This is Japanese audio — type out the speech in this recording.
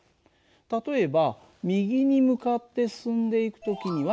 例えば右に向かって進んでいく時には正。